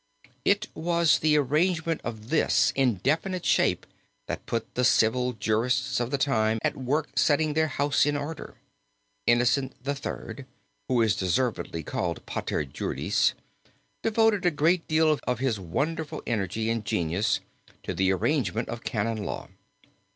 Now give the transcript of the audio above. It was the arrangement of this in definite shape that put the civil jurists of the time at work setting their house in order. Innocent III., who is deservedly called Pater Juris, devoted a great deal of his wonderful energy and genius to the arrangement of canon law.